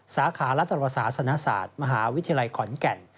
สาขารัฐรศาสนศาสตร์มหาวิทยาลัยขอนแก่น